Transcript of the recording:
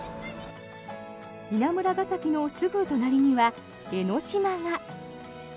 稲村ケ崎のすぐ隣には江の島が。